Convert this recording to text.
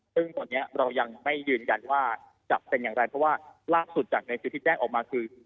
ซึ่งตอนนี้เรายังไม่ยืนยันว่าจะเป็นอย่างไรเพราะว่าล่าสุดจากในสื่อที่แจ้งออกมาคือ